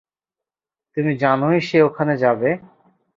তুমি জানোই, সে ওখানে যাবে।